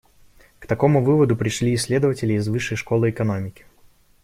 К такому выводу пришли исследователи из Высшей школы экономики.